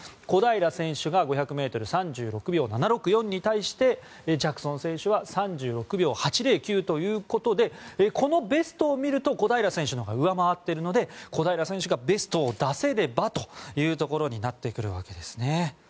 小平選手が５００ｍで３６秒７４６に対してジャクソン選手は３６秒８０９ということでこのベストを見ると小平選手のほうが上回っているので小平選手がベストを出せればというところになってくるわけです。